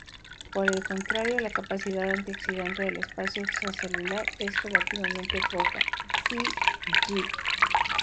Por el contrario, la capacidad antioxidante del espacio extracelular es relativamente poca "e.g.